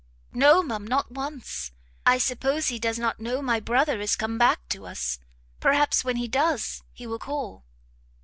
"No, ma'am, not once! I suppose he does not know my brother is come back to us. Perhaps when he does, he will call."